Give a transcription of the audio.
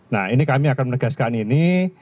nah ini kami akan menegaskan ini